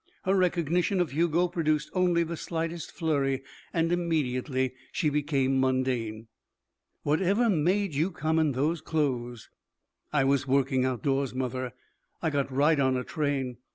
Her recognition of Hugo produced only the slightest flurry and immediately she became mundane. "Whatever made you come in those clothes?" "I was working outdoors, mother. I got right on a train.